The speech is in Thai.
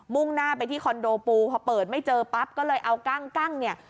่งหน้าไปที่คอนโดปูพอเปิดไม่เจอปั๊บก็เลยเอากั้งเนี่ย